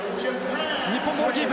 日本ボールキープ。